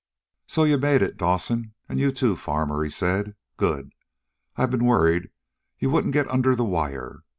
"So you made it, Dawson, and you, too, Farmer?" he said. "Good! I've been worrying you wouldn't get under the wire.